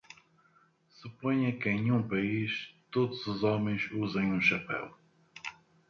Suponha que em um país todos os homens usem um chapéu.